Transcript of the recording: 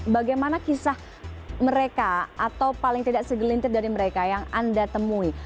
bagaimana kisah mereka atau paling tidak segelintir dari mereka yang anda temui